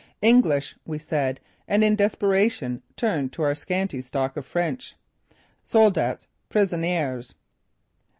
"English," we said, and in desperation turned to our scanty stock of French: "_Soldats; prisoniers.